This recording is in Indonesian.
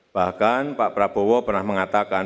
bahkan pak prabowo pernah mengatakan